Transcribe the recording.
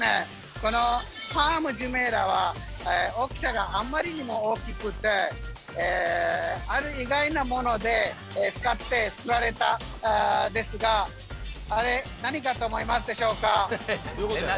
このパーム・ジュメイラは大きさがあまりにも大きくてある意外なもので使って造られたんですがあれ何かと思いますでしょうか？